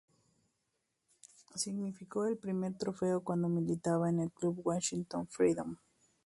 Significó el primer trofeo cuando militaba en el club Washington Freedom.